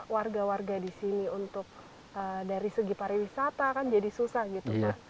warga warga di sini untuk dari segi pariwisata kan jadi susah gitu kan